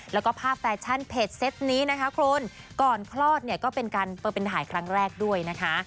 แล้วก็ภาพแฟชั่นเพจเซตนี้นะคะคุณก่อนคลอดเนี่ยก็เป็นการเปิดเป็นถ่ายครั้งแรกด้วยนะคะ